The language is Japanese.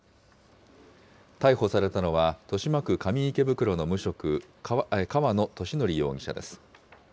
逮捕されたのは、豊島区上池袋の無職、川野敏昇容疑者です。